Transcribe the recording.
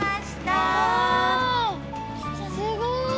わすごい。